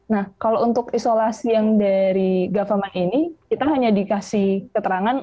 nah kalau untuk isolasi yang dari government ini kita hanya dikasih keterangan